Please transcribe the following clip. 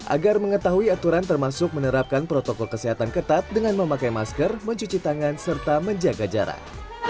agar mengetahui aturan termasuk menerapkan protokol kesehatan ketat dengan memakai masker mencuci tangan serta menjaga jarak